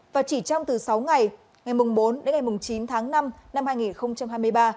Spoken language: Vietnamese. và chỉ trong từ sáu ngày ngày bốn đến ngày chín tháng năm năm hai nghìn hai mươi ba